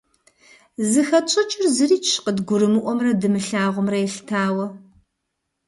Зыхэтщӏыкӏыр зырикӏщ, къыдгурымыӏуэмрэ дымылъагъумрэ елъытауэ.